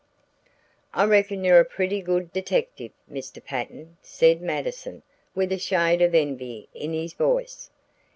"I reckon you're a pretty good detective, Mr. Patten," said Mattison with a shade of envy in his voice.